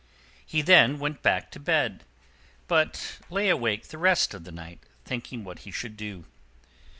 He then went back to bed, but lay awake the rest of the night, thinking what he should do.